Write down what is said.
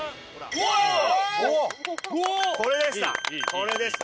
これでした！